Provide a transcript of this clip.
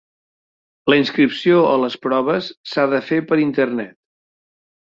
La inscripció a les proves s'ha de fer per internet.